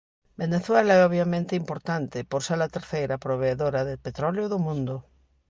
Venezuela é obviamente importante por ser a terceira provedora de petróleo do mundo.